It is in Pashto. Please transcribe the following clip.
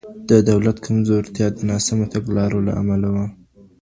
د دولت کمزورتیا د ناسمو تګلارو له امله وه.